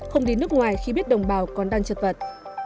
không đi nước ngoài khi biết đồng bào còn đang chật vật